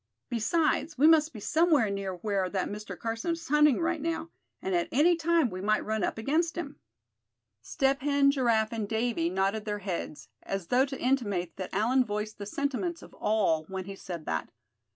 "Besides, we must be somewhere near where that Mr. Carson is hunting, right now; and at any time we might run up against him." Step Hen, Giraffe and Davy nodded their heads, as though to intimate that Allan voiced the sentiments of all when he said that.